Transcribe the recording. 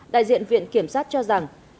đại diện viện kiểm sát cho rằng